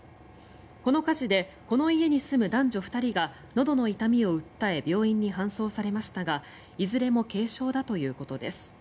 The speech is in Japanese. この火事で、この家に住む男女２人がのどの痛みを訴え病院に搬送されましたがいずれも軽傷だということです。